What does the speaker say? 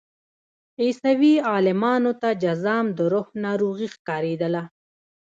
عیسوي عالمانو ته جذام د روح ناروغي ښکارېدله.